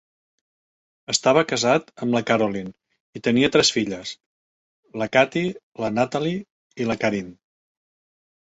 Estava casat amb la Carolyn i tenia tres filles, la Kathie, la Natalie i la Karine.